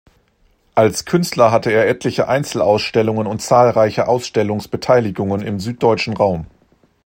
Als Künstler hatte er etliche Einzelausstellungen und zahlreiche Ausstellungsbeteiligungen im süddeutschen Raum.